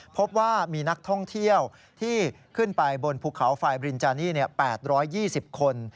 พบว่ามีนักท่องเที่ยวที่ขึ้นไปบนภูเขาไฟบรินจานี่๘๒๐คน